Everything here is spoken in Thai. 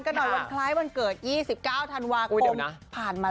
หลังจากนอนวันคล้ายวันเกิด๒๙ธันวาคม